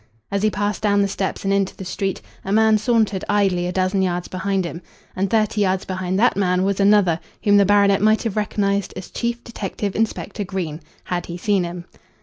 As he passed down the steps and into the street, a man sauntered idly a dozen yards behind him. And thirty yards behind that man was another whom the baronet might have recognised as Chief Detective Inspector Green had he seen him.